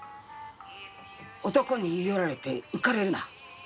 「男に言い寄られて浮かれるな」